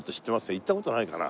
行った事ないかな？